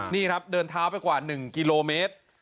นี่ครับเดินเท้าไปกว่า๑กิโลเมตร